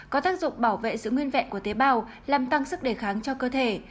có tác dụng bảo vệ sự nguyên vẹn của tế bào làm tăng sức đề kháng cho cơ thể